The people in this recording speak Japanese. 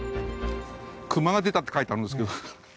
「熊が出た」って書いてあるんですけど。